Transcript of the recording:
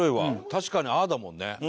確かにああだもんね。